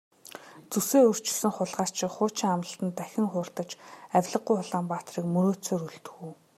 Зүсээ өөрчилсөн хулгайч шиг хуучин амлалтад дахин хууртаж авлигагүй Улаанбаатарыг мөрөөдсөөр үлдэх үү?